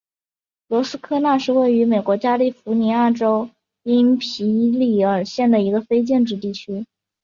罗斯科纳是位于美国加利福尼亚州因皮里尔县的一个非建制地区。